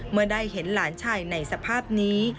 เมื่อได้เห็นหลานชายในสภาพนี้